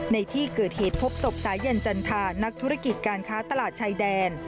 ในที่เกิดเหตุพบศพสายันจันทานักธุรกิจการค้าตลาดชายแดน